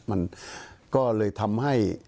มันก็เลยทำให้